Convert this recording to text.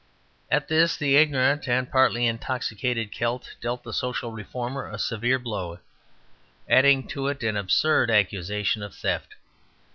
At this the ignorant and partly intoxicated Celt dealt the social reformer a severe blow, adding to it an absurd accusation of theft.